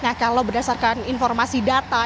nah kalau berdasarkan informasi data